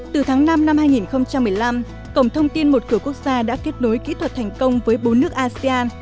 từ tháng năm năm hai nghìn một mươi năm cổng thông tin một cửa quốc gia đã kết nối kỹ thuật thành công với bốn nước asean